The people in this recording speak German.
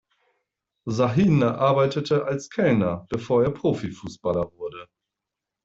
Şahin arbeitete als Kellner, bevor er Profifußballer wurde.